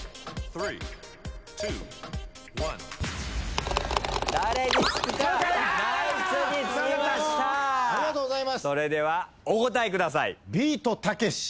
それではお答えください。